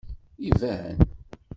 Iban!